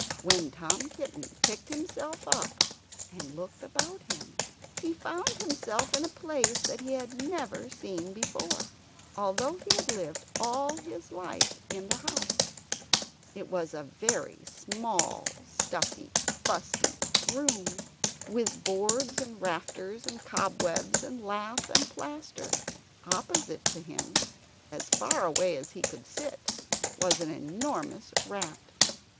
When Tom Kitten picked himself up and looked about him, he found himself in a place that he had never seen before, although he had lived all his life in the house. It was a very small stuffy fusty room, with boards, and rafters, and cobwebs, and lath and plaster. Opposite to him as far away as he could sit was an enormous rat.